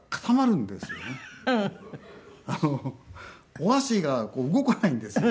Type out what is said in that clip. お箸が動かないんですよね。